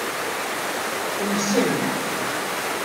Uysen-t.